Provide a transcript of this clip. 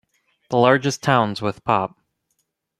The largest towns with pop.